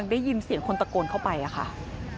ได้ยินเสียงคนตะโกนเข้าไปค่ะ